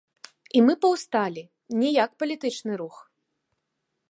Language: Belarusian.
І мы паўсталі не як палітычны рух.